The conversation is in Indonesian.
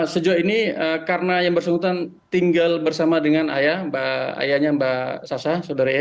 sejauh ini karena yang bersengkutan tinggal bersama dengan ayah ayahnya mbak sasa saudari e